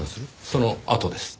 そのあとです。